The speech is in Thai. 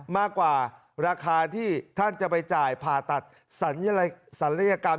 มากกว่าราคาที่ท่านจะไปจ่ายผ่าตัดศัลยกรรม